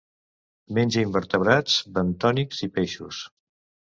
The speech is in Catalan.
Menja invertebrats bentònics i peixos.